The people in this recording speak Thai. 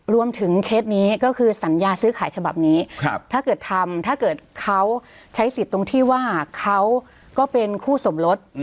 เคสนี้ก็คือสัญญาซื้อขายฉบับนี้ถ้าเกิดทำถ้าเกิดเขาใช้สิทธิ์ตรงที่ว่าเขาก็เป็นคู่สมรส